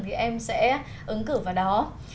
thì em sẽ ứng cử vào đó